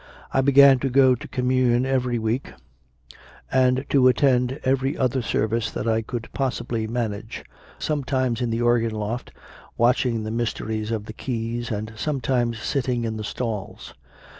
I began to go to Communion every week and to attend every other service that I could possibly manage sometimes in the organ loft, watching the mysteries of the keys and stops, sometimes sitting in the stalls.